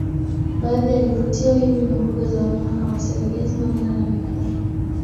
Baadhi ya vivutio hivyo ni mbuga za wanyama kama serengeti manyara na mikumi